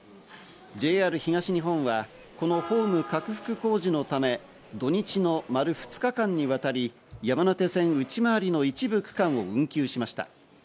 ＪＲ東日本はこのホーム拡幅工事のため、土日の丸２日間にわたり山手線内回りの一部区間を運休しました。